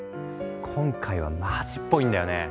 今回はマジっぽいんだよね。